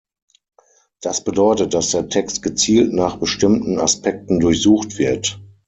Das bedeutet, dass der Text gezielt nach bestimmten Aspekten durchsucht wird.